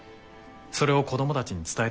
それを子供たちに伝えてほしいって。